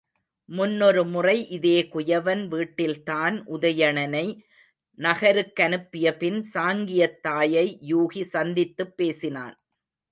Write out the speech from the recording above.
முன்னொரு முறை இதே குயவன் வீட்டில்தான் உதயணனை நகருக்கனுப்பியபின் சாங்கியத்தாயை யூகி சந்தித்துப் பேசினான்.